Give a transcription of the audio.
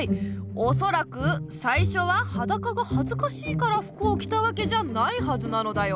おそらくさいしょははだかがはずかしいから服をきたわけじゃないはずなのだよ。